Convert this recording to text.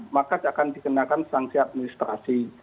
maka akan dikenakan sanksi administrasi